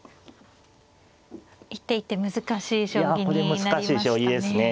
一手一手難しい将棋になりましたね。